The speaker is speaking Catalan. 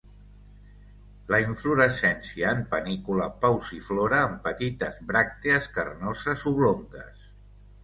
La inflorescència en panícula pauciflora, amb petites bràctees carnoses, oblongues.